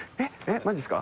マジっすか。